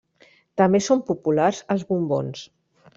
També són populars els bombons.